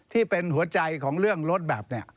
ที่เป็นหัวใจของเรื่องโลดแบบ